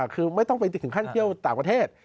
คือไม่ต้องไปถึงขั้นเที่ยวต่างประเทศ